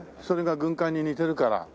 それが軍艦に似てるから。